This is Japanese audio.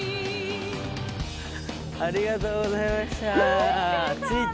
ありがとうございました着いた。